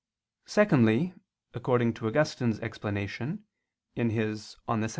Secondly, according to Augustine's explanation (De Consens.